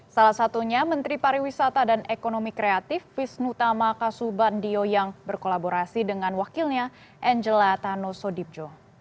salah satunya menteri pariwisata dan ekonomi kreatif visnutama kasubandio yang berkolaborasi dengan wakilnya angela tanoso dipjo